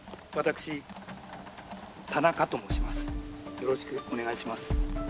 よろしくお願いします。